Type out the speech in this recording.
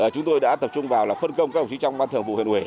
chúng tôi đã tập trung vào phân công các đồng chí trong ban thường vụ huyện huệ